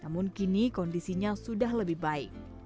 namun kini kondisinya sudah lebih baik